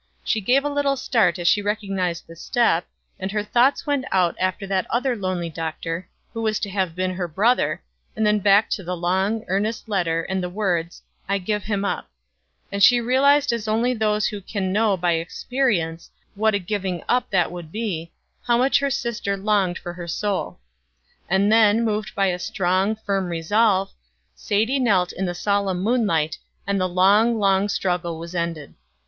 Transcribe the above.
She gave a little start as she recognized the step, and her thoughts went out after that other lonely Doctor, who was to have been her brother, and then back to the long, earnest letter and the words, "I give him up" and she realized as only those can who know by experience, what a giving up that would be, how much her sister longed for her soul. And then, moved by a strong, firm resolve, Sadie knelt in the solemn moonlight, and the long, long struggle was ended.